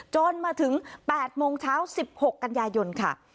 จนมาถึง๘โมงเช้า๑๖กันยายนค่ะ